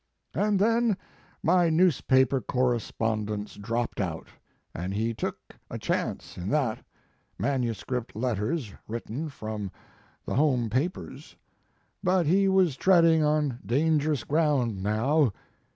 And then my news paper correspondence dropped out, and he took a chance in that manuscript letters written for the home papers. But he was treading on dangerous ground now.